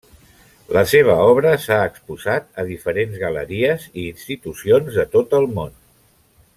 La seva obra s'ha exposat a diferents galeries i institucions de tot el món.